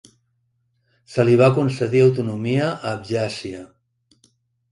Se li va concedir autonomia a Abkhàzia.